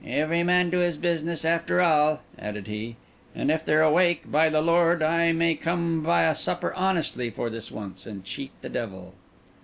"Every man to his business, after all," added he, "and if they're awake, by the Lord, I may come by a supper honestly for this once, and cheat the devil."